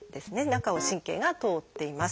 中を神経が通っています。